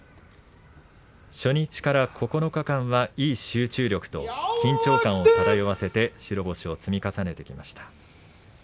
初日から９日間はいい集中力と緊張感を積み重ねて白星を挙げてきました。